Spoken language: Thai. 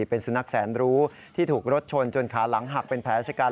เป็นสุนัขแสนรู้ที่ถูกรถชนจนขาหลังหักเป็นแผลชะกัน